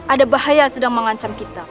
ada bahaya yang sedang mengancam kita